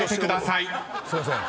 すいません。